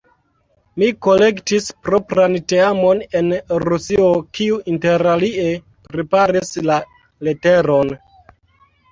Mi kolektis propran teamon en Rusio, kiu interalie preparis la leteron.